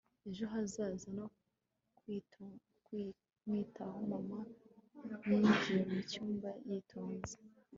ejo hazaza no kumwitaho. mama yinjiye mu cyumba yitonze